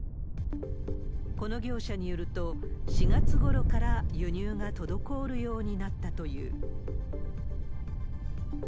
この業者によると、４月ごろから輸入が滞るようになったという。